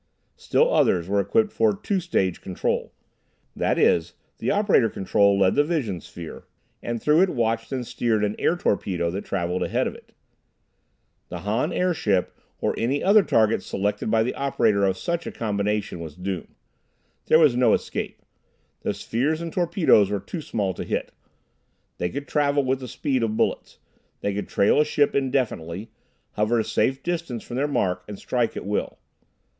Still others were equipped for two stage control. That is, the operator control led the vision sphere, and through it watched and steered an air torpedo that travelled ahead of it. The Han airship or any other target selected by the operator of such a combination was doomed. There was no escape. The spheres and torpedoes were too small to be hit. They could travel with the speed of bullets. They could trail a ship indefinitely, hover a safe distance from their mark, and strike at will.